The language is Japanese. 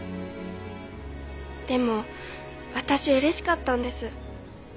でも私嬉しかったんです。